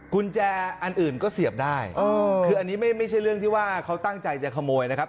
กุญแจอันอื่นก็เสียบได้คืออันนี้ไม่ใช่เรื่องที่ว่าเขาตั้งใจจะขโมยนะครับ